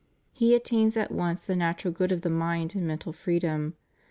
He attains at once the natural good of the mind and mental freedom.